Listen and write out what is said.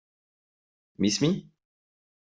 Miss Me?